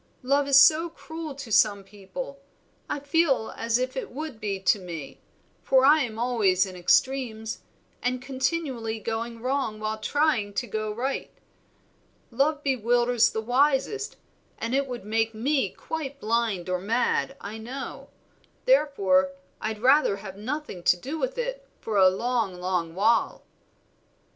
Love is so cruel to some people, I feel as if it would be to me, for I am always in extremes, and continually going wrong while trying to go right. Love bewilders the wisest, and it would make me quite blind or mad, I know; therefore I'd rather have nothing to do with it, for a long, long while."